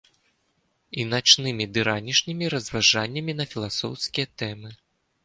І начнымі ды ранішнімі разважаннямі на філасофскія тэмы.